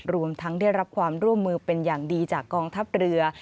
รวมทั้งได้รับความร่วมมือเป็นอย่างดีจากกองทัพเรือ